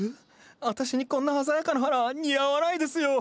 私にこんな鮮やかな花似合わないですよ。